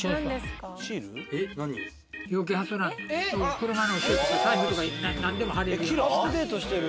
車の後ろとか財布とか何でも貼れるようにしてある。